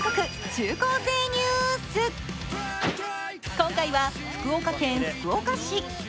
今回は福岡県福岡市。